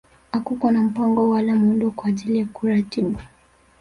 Hakukuwa na mpango wala muundo kwa ajili ya kuratibu